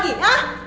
apa kamu sekolah